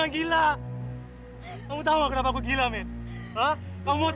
kamu mau tau kenapa aku gila minta